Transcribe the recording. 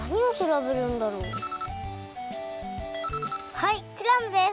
はいクラムです！